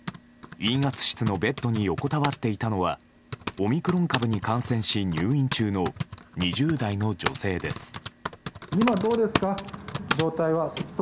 陰圧室のベッドに横たわっていたのはオミクロン株に感染し入院中の２０代の女性です。